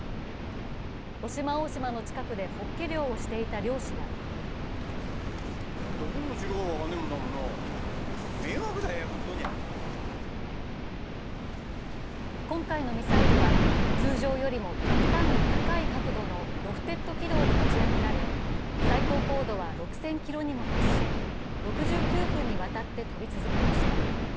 渡島大島の近くでホッケ漁をしていた漁師は今回のミサイルは通常よりも極端に高い確度のロフテッド軌道で打ち上げられ最高高度は６０００ｋｍにも達し６９分にわたって飛び続けました。